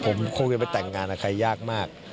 ผมคงจะไปแต่งงานนะครับยากมาก